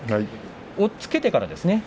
押っつけてからですね